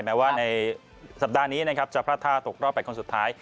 แม้ว่าในสัปดาห์นี้นะครับจะพลาดท่าตกรอบ๘คนสุดท้าย